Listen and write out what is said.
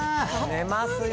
寝ますよ。